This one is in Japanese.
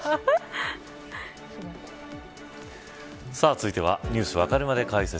さあ、続いてはニュースわかるまで解説。